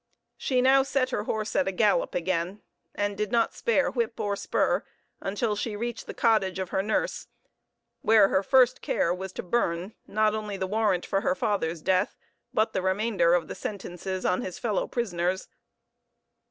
She now set her horse at a gallop again, and did not spare whip or spur until she reached the cottage of her nurse, where her first care was to burn, not only the warrant for her father's death, but the remainder of the sentences on his fellow prisoners.